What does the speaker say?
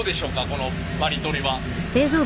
このバリ取りは。